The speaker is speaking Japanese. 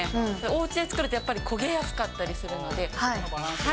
おうちで作ると、やっぱり焦げやすかったりするので。